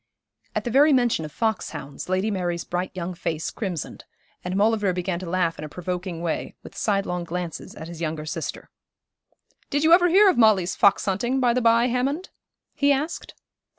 At the very mention of fox hounds Lady Mary's bright young face crimsoned, and Maulevrier began to laugh in a provoking way, with side long glances at his younger sister. 'Did you ever hear of Molly's fox hunting, by the by, Hammond?' he asked.